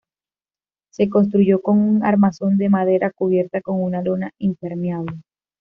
Se construyó con un armazón de madera cubierta con una lona impermeable.